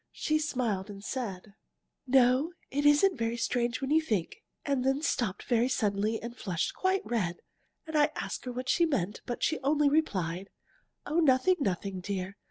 She smiled and said: "'No, it isn't very strange when you think ' and then stopped very suddenly and flushed quite red. And I asked her what she meant, but she only replied: 'Oh, nothing, nothing, dear!